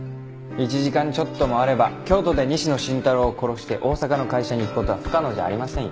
１時間ちょっともあれば京都で西野伸太郎を殺して大阪の会社に行く事は不可能じゃありませんよ。